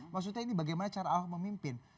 maksudnya ini bagaimana cara ahok memimpin